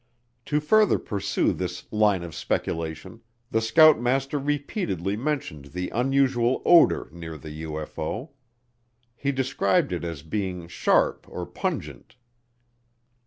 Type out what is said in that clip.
To further pursue this line of speculation, the scoutmaster repeatedly mentioned the unusual odor near the UFO. He described it as being "sharp" or "pungent."